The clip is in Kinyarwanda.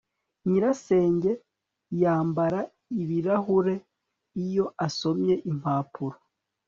Nyirasenge yambara ibirahure iyo asomye impapuro